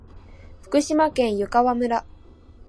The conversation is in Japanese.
福島県湯川村